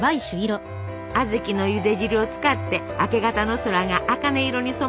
小豆のゆで汁を使って明け方の空があかね色に染まる様子を表したそう。